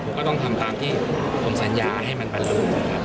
ผมก็ต้องทำตามที่สัญญายให้มันบรรลุ